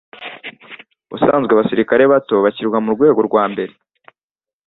Ubusanzwe abasirikare bato bashyirwa mu rwego rwa mbere